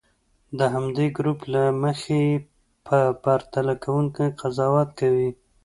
د همدې ګروپ له مخې یې په پرتله کوونې قضاوت کوي.